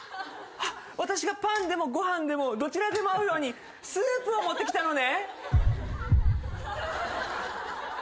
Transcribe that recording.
私がパンでもご飯でもどちらでも合うようにスープを持ってきたのね。